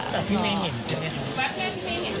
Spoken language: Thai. แต่พี่เมย์เห็นใช่ไหมคะ